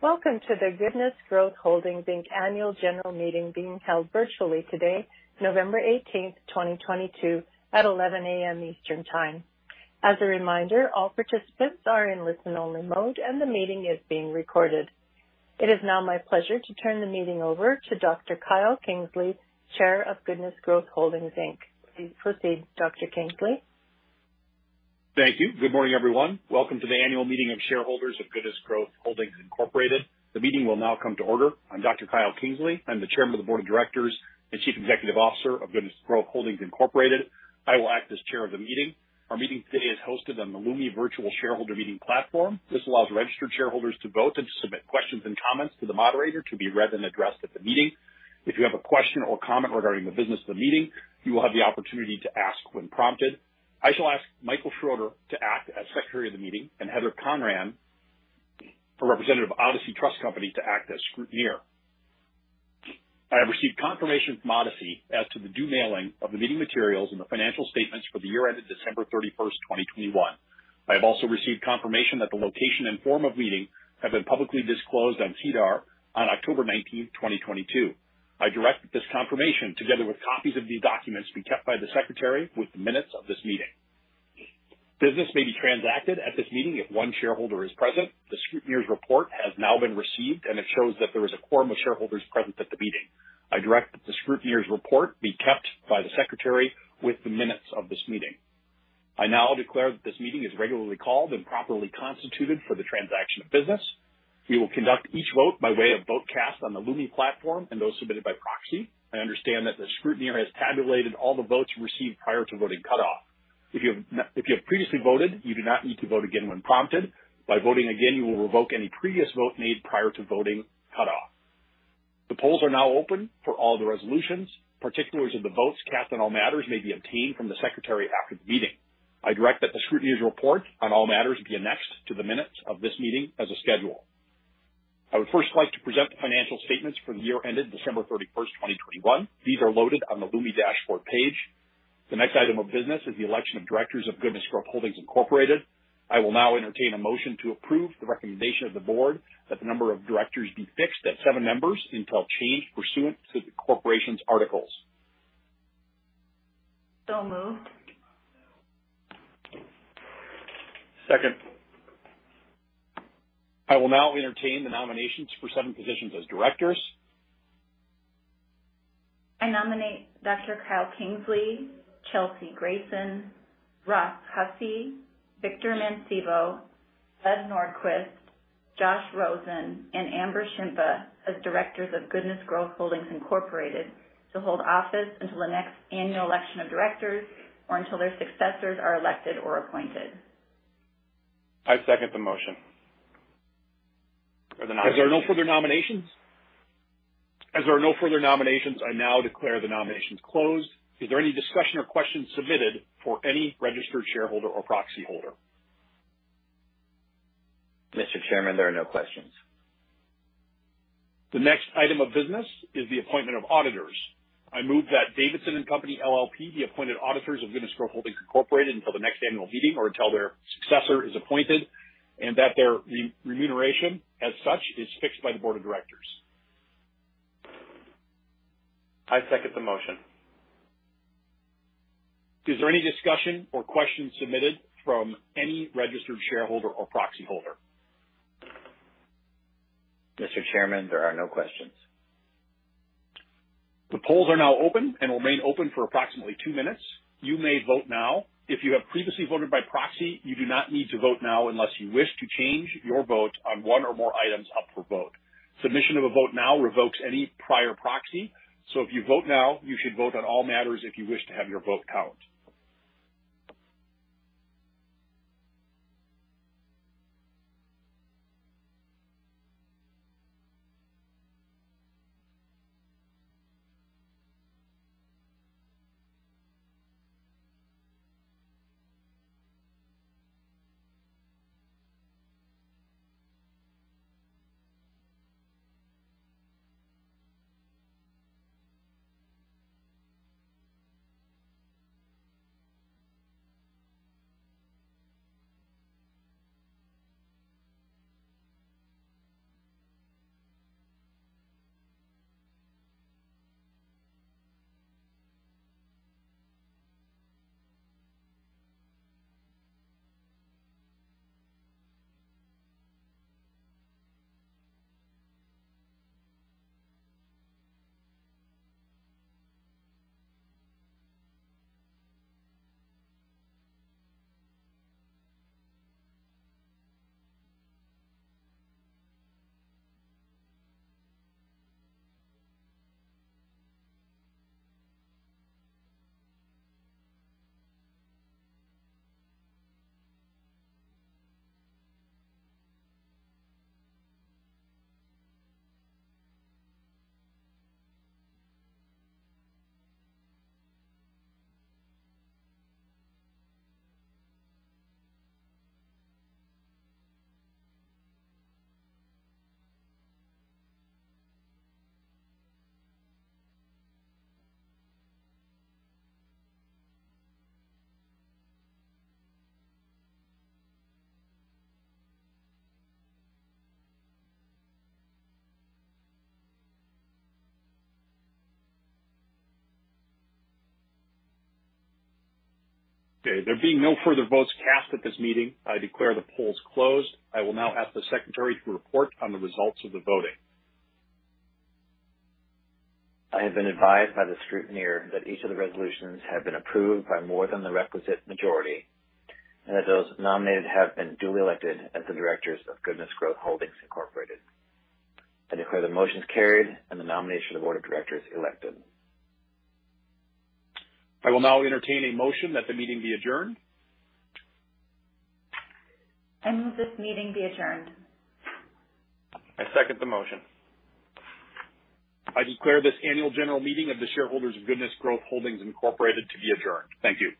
Welcome to the Goodness Growth Holdings, Inc. annual general meeting being held virtually today, November 18th, 2022, at 11:00 A.M. Eastern Time. As a reminder, all participants are in listen-only mode, and the meeting is being recorded. It is now my pleasure to turn the meeting over to Dr. Kyle Kingsley, Chair of Goodness Growth Holdings, Inc. Please proceed, Dr. Kingsley. Thank you. Good morning, everyone. Welcome to the annual meeting of shareholders of Goodness Growth Holdings, Incorporated. The meeting will now come to order. I'm Dr. Kyle Kingsley. I'm the Chairman of the Board of Directors and Chief Executive Officer of Goodness Growth Holdings, Incorporated. I will act as Chair of the meeting. Our meeting today is hosted on the Lumi virtual shareholder meeting platform. This allows registered shareholders to vote and to submit questions and comments to the Moderator to be read and addressed at the meeting. If you have a question or comment regarding the business of the meeting, you will have the opportunity to ask when prompted. I shall ask Michael Schroeder to act as Secretary of the meeting and Heather Conran for representative of Odyssey Trust Company to act as Scrutineer. I have received confirmation from Odyssey as to the due mailing of the meeting materials and the financial statements for the year ended December 31st, 2021. I have also received confirmation that the location and form of meeting have been publicly disclosed on SEDAR on October 19th, 2022. I direct that this confirmation, together with copies of these documents, be kept by the Secretary with the minutes of this meeting. Business may be transacted at this meeting if one shareholder is present. The Scrutineer's report has now been received, and it shows that there is a quorum of shareholders present at the meeting. I direct that the Scrutineer's report be kept by the Secretary with the minutes of this meeting. I now declare that this meeting is regularly called and properly constituted for the transaction of business. We will conduct each vote by way of vote cast on the Lumi platform and those submitted by proxy. I understand that the Scrutineer has tabulated all the votes received prior to voting cutoff. If you have previously voted, you do not need to vote again when prompted. By voting again, you will revoke any previous vote made prior to voting cutoff. The polls are now open for all the resolutions. Particulars of the votes cast on all matters may be obtained from the Secretary after the meeting. I direct that the Scrutineer's report on all matters be annexed to the minutes of this meeting as a schedule. I would first like to present the financial statements for the year ended December 31st, 2021. These are loaded on the Lumi dashboard page. The next item of business is the election of directors of Goodness Growth Holdings, Incorporated. I will now entertain a motion to approve the recommendation of the board that the number of directors be fixed at seven members until changed pursuant to the corporation's articles. Moved. Second. I will now entertain the nominations for seven positions as directors. I nominate Dr. Kyle Kingsley, Chelsea Grayson, Ross Hussey, Victor Mancebo, Judd Nordquist, Joshua Rosen, and Amber Shimpa as directors of Goodness Growth Holdings, Incorporated, to hold office until the next annual election of directors or until their successors are elected or appointed. I second the motion. As there are no further nominations, I now declare the nominations closed. Is there any discussion or questions submitted from any registered shareholder or proxy holder? Mr. Chairman, there are no questions. The next item of business is the appointment of auditors. I move that Davidson & Company LLP be appointed auditors of Goodness Growth Holdings, Incorporated, until the next annual meeting or until their successor is appointed, and that their remuneration as such is fixed by the Board of Directors. I second the motion. Is there any discussion or questions submitted from any registered shareholder or proxy holder? Mr. Chairman, there are no questions. The polls are now open and will remain open for approximately two minutes. You may vote now. If you have previously voted by proxy, you do not need to vote now unless you wish to change your vote on one or more items up for vote. Submission of a vote now revokes any prior proxy, so if you vote now, you should vote on all matters if you wish to have your vote count. Okay. There being no further votes cast at this meeting, I declare the polls closed. I will now ask the Secretary to report on the results of the voting. I have been advised by the Scrutineer that each of the resolutions have been approved by more than the requisite majority and that those nominated have been duly elected as the directors of Goodness Growth Holdings, Incorporated. I declare the motions carried and the nomination of the board of directors elected. I will now entertain a motion that the meeting be adjourned. I move this meeting be adjourned. I second the motion. I declare this annual general meeting of the shareholders of Goodness Growth Holdings, Incorporated, to be adjourned. Thank you.